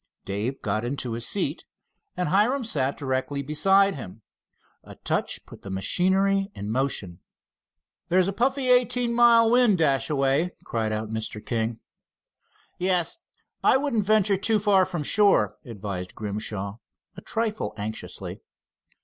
Dave got into his seat, and Hiram sat directly beside him. A touch put the machinery in motion. "There's a puffy eighteen mile wind, Dashaway," cried out Mr. King. "Yes, I wouldn't venture too far from shore," advised Grimshaw, a trifle anxiously.